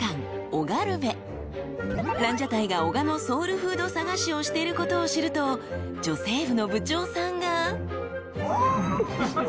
［ランジャタイが男鹿のソウルフード探しをしていることを知ると女性部の部長さんが］